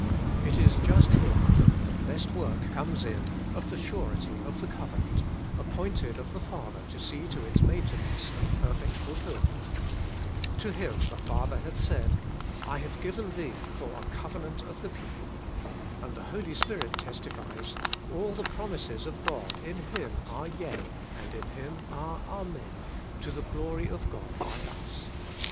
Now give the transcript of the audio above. ' It is just here that the blessed work comes in of the surety of the covenant, appointed of the Father to see to its maintenance and perfect fulfilment. To Him the Father hath said, *I have given thee for a covenant of the people.' And the Holy Spirit testifies, *A11 the promises of God i^ Him are yea, and in Him are Amen, to the glory of God by us.'